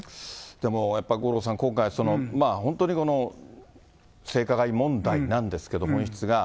でも、やっぱ五郎さん、今回、本当にこの性加害問題なんですけども、本質が。